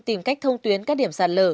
tìm cách thông tuyến các điểm sạt lở